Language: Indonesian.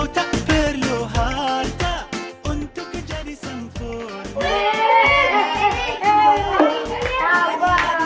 dia paling cepungin kempang